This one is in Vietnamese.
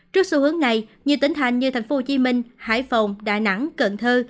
trước xu hướng này nhiều tỉnh thành như thành phố hồ chí minh hải phòng đà nẵng cần thơ